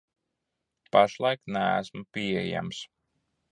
Pašlaik neesmu pieejams.